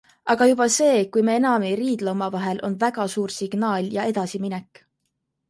Aga juba see, kui me enam ei riidle omavahel, on väga suur signaal ja edasiminek.